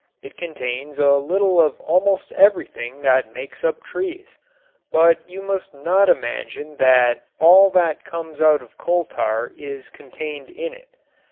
It contains a little of almost everything that makes up trees. But you must not imagine that all that comes out of coal tar is contained in it.